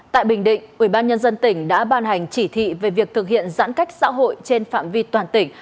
tại bình định ubnd tỉnh đã ban hành chỉ thị về việc thực hiện giãn cách xã hội trên phạm vi toàn tỉnh